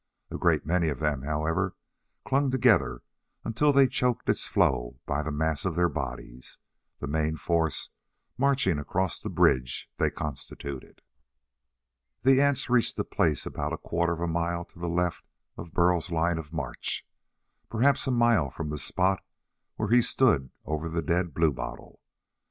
A great many of them, however, clung together until they chocked its flow by the mass of their bodies, the main force marching across the bridge they constituted. The ants reached a place about a quarter of a mile to the left of Burl's line of march, perhaps a mile from the spot where he stood over the dead bluebottle.